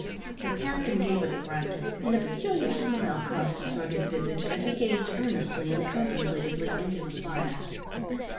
The captain gave a grunt, and a peculiar smile crossed his rugged visage as he gazed earnestly and contemplatively into the fire.